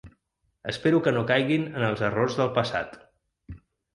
Espero que no caiguin en els errors del passat.